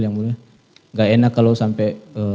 tidak enak kalau sampai